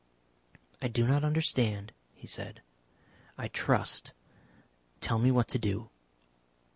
"I do not understand," he said. "I trust. Tell me what to do."